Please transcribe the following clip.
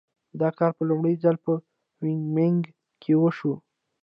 دا کار په لومړي ځل په وایومینګ کې وشو.